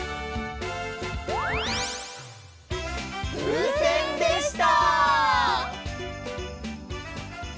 ふうせんでした！